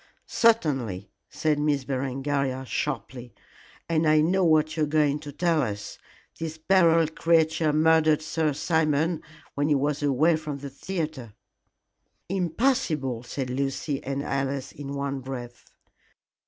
"Certainly," said Miss Berengaria, sharply, "and I know what you are going to tell us. This Beryl creature murdered Sir Simon when he was away from the theatre." "Impossible!" said Lucy and Alice in one breath.